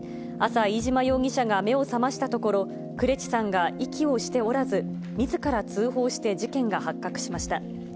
朝、飯島容疑者が目を覚ましたところ、呉地さんが息をしておらず、みずから通報して、事件が発覚しました。